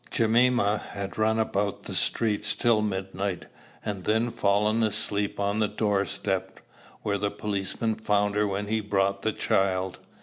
Jemima had run about the streets till midnight, and then fallen asleep on the doorstep, where the policeman found her when he brought the child.